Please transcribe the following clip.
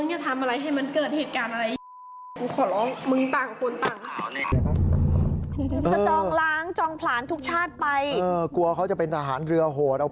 ยอมตายถ้ากูทำอยู่ข้างนั้นแล้วมูกบ้าจริงเกือบแล้ว